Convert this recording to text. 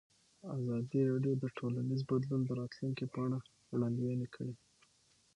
ازادي راډیو د ټولنیز بدلون د راتلونکې په اړه وړاندوینې کړې.